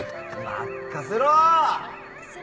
任せろ！